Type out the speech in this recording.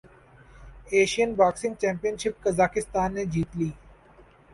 Asian boxing championship قازقستان نے جیت لی